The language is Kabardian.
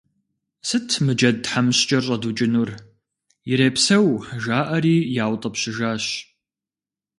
– Сыт мы джэд тхьэмыщкӀэр щӀэдукӀынур, ирепсэу, – жаӀэри яутӀыпщыжащ.